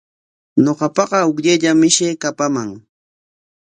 Ñuqapaqa hukllayllam mishii kapaman.